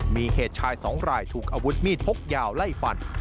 มีเหตุชายสองรายถูกอาวุธมีดพกยาวไล่ฟัน